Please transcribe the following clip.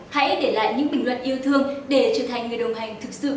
hãy để lại những bình luận yêu thương để trở thành người đồng hành thực sự